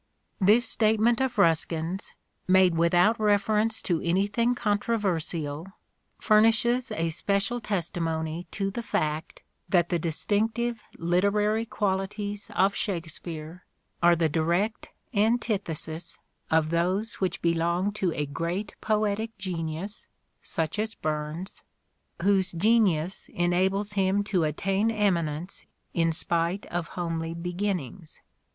This statement of Ruskin's, made without reference to anything controversial, furnishes a special testi mony to the fact that the distinctive literary qualities of Shakespeare are the direct antithesis of those which belong to a great poetic genius, such as Burns, whose genius enables him to attain eminence in spite of homely beginnings.